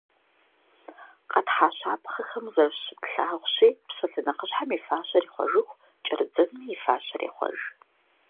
Къэтхьа щапхъэхэм зэрыщытлъагъущи, псалъэ нэхъыщхьэм и фащэр ихъуэжыху кӏэрыдзэнми и фащэр ехъуэж.